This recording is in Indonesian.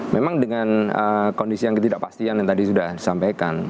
memang dengan kondisi yang ketidakpastian yang tadi sudah disampaikan